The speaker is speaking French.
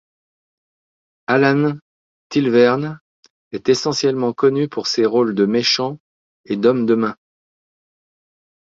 Alan Tilvern est essentiellement connu pour ses rôles de méchant et d'homme de main.